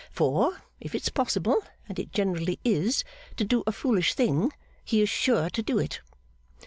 For, if it's possible and it generally is to do a foolish thing, he is sure to do it.